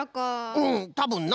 うんたぶんな！